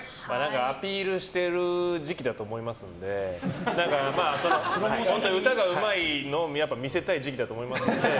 アピールしてる時期だと思いますので歌がうまいのを見せたい時期だと思いますので。